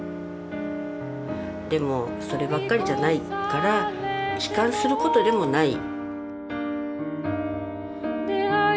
でもそればっかりじゃないから悲観することでもない。